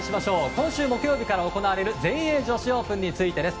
今週木曜日から行われる全英女子オープンについてです。